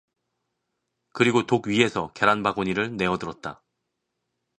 그리고 독 위에서 계란 바구니를 내어 들었다.